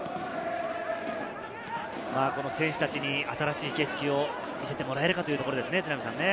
選手たちに新しい景色を見せてもらえるかというところですね。